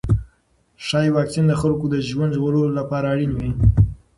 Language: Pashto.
ښايي واکسین د خلکو د ژوند ژغورلو لپاره اړین وي.